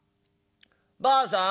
ばあさん。